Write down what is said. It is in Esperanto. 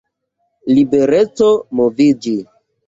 Libereco moviĝi.